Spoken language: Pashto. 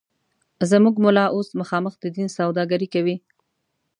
زموږ ملا اوس مخامخ د دین سوداگري کوي